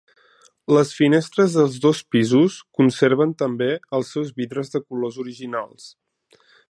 Les finestres dels dos pisos conserven també els seus vidres de colors originals.